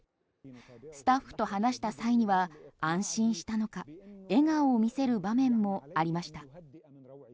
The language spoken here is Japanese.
スタッフと話した際には安心したのか笑顔を見せる場面もありました。